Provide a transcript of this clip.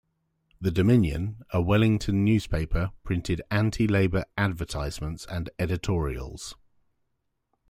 "The Dominion", a Wellington newspaper, printed anti-Labour advertisements and editorials.